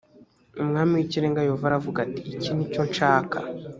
umwami w’ikirenga yehova aravuga ati “iki ni cyo nshaka”